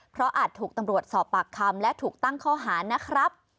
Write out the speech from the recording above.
เพราะอาจถูกตำรวจสอบปากคำและถูกตั้งข้อหานะครับ